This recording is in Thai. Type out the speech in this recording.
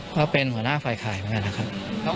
ก็เป็นหัวหน้าฝ่ายขายเหมือนกันนะครับ